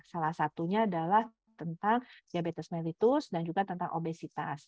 salah satunya adalah tentang diabetes mellitus dan juga tentang obesitas